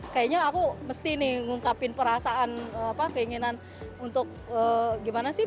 kayaknya aku mesti nih ngungkapin perasaan keinginan untuk gimana sih